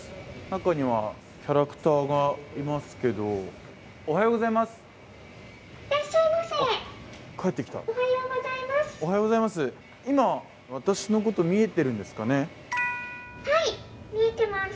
中にはキャラクターがいますけれどもおはようございます。